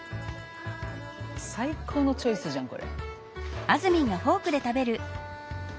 最高のチョイスじゃんこれ。